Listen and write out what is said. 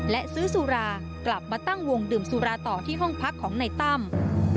และซื้อสุรากลับมาตั้งวงดื่มสุราต่อที่ห้องพักของในตั้ม